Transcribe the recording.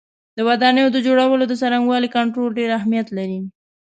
د ودانیو د جوړولو د څرنګوالي کنټرول ډېر اهمیت لري.